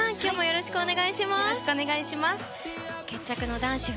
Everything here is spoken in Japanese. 村上さんよろしくお願いします。